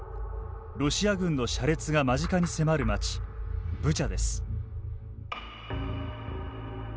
ロシア軍の車列が間近に迫る街ブチャです。